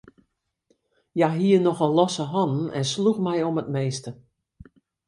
Hja hie nochal losse hannen en sloech my om it minste.